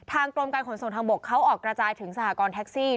กรมการขนส่งทางบกเขาออกกระจายถึงสหกรณ์แท็กซี่